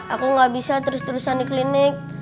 aku gak bisa terus terusan di klinik